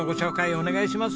お願いします。